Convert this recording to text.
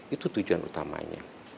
itu tujuan utamanya